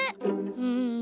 うん。